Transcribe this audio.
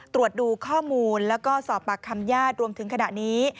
ตรวจดูข้อมูลแล้วก็สอบปากคำญาติรวมถึงขณะนี้